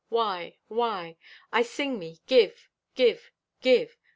why? I sing me Give! Give!